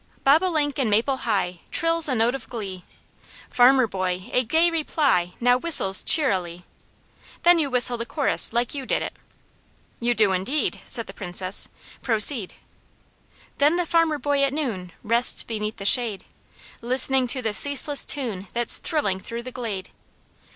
"'Bobolink in maple high, trills a note of glee Farmer boy a gay reply now whistles cheerily.' "Then you whistle the chorus like you did it." "You do indeed!" said the Princess. "Proceed!" "'Then the farmer boy at noon, rests beneath the shade, Listening to the ceaseless tune that's thrilling through the glade.